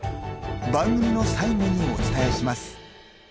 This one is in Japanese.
番組の最後にお伝えします。